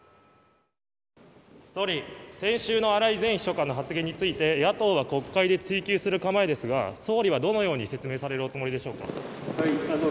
総理、先週の荒井前秘書官の発言について、野党は国会で追及する構えですが、総理はどのように説明されるおつもりでしょうか。